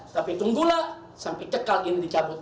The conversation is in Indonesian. tapi tunggulah sampai cekal ini dicabut